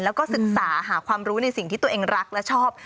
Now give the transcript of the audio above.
แล้วก็ศึกษาหาความรู้ในสิ่งที่ตัวเองรักและชอบ